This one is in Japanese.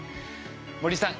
森さん